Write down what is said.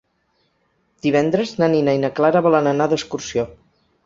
Divendres na Nina i na Clara volen anar d'excursió.